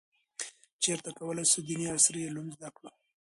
چیرته کولای شو دیني او عصري علوم زده کړو؟